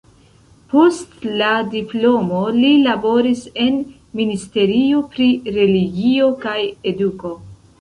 Post la diplomo li laboris en ministerio pri Religio kaj Eduko.